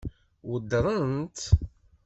Weddṛen-tt?